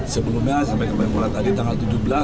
sebelumnya sampai kemenpuraan tadi tanggal tujuh belas